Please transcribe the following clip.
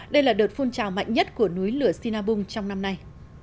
đây là đợt phun trào mạnh nhất của núi lửa sinabung trong năm nay